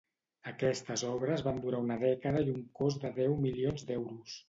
Aquestes obres van durar una dècada i un cost de deu milions d'euros.